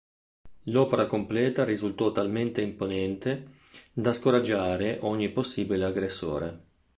L'opera completa risultò talmente imponente da scoraggiare ogni possibile aggressore.